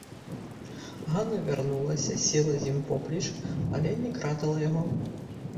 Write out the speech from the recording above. Ганна вярнулася, села з ім поплеч, але не кратала яго.